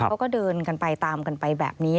เขาก็เดินกันไปตามกันไปแบบนี้